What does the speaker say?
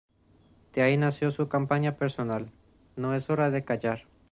De allí nació su campaña personal "'No es hora de callar"'.